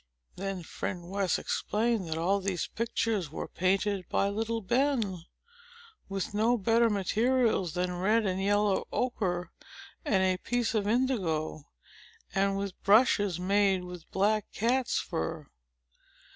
Then Friend West explained, that all these pictures were painted by little Ben, with no better materials than red and yellow ochre and a piece of indigo, and with brushes made of the black cat's fur.